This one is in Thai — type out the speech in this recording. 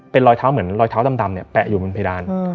เป็นรอยเท้าเหมือนรอยเท้าดำเนี่ยแปะอยู่บนเพดาน